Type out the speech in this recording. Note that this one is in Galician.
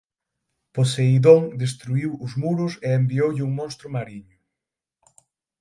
Poseidón destruíu os muros e envioulle un monstro mariño.